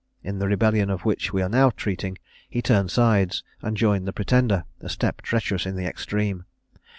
In the rebellion of which we are now treating, he turned sides, and joined the Pretender; a step treacherous in the extreme.